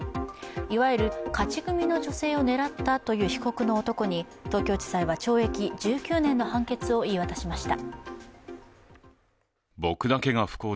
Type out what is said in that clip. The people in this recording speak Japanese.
いわゆる勝ち組の女性を狙ったという被告の男に東京地裁は懲役１９年の判決を言い渡しました。